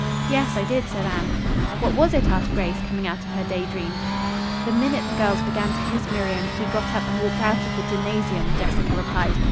"Yes, I did," said Anne. "What was it?" asked Grace, coming out of her day dream. "The minute the girls began to hiss Miriam, he got up and walked out of the gymnasium," Jessica replied.